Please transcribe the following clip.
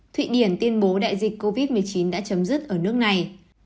thụy điển tuyên bố đại dịch covid một mươi chín đã chấm dứt ở nước này